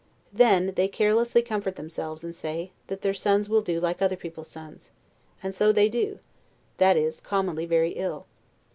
Then, they carelessly comfort themselves, and say, that their sons will do like other people's sons; and so they do, that is, commonly very ill.